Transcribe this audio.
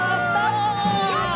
やった！